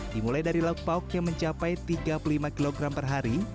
dimulai dari lauk pauk yang mencapai tiga puluh lima kg per hari